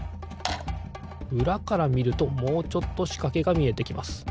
うらからみるともうちょっとしかけがみえてきます。